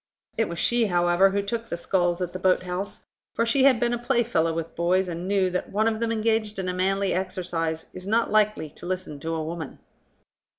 It was she, however, who took the sculls at the boat house, for she had been a playfellow with boys, and knew that one of them engaged in a manly exercise is not likely to listen to a woman.